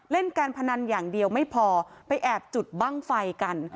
เล่นการพนันอย่างเดียวไม่พอไปแอบจุดบ้างไฟกัน